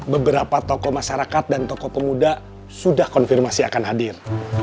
beberapa tokoh masyarakat dan tokoh pemuda sudah konfirmasi akan hadir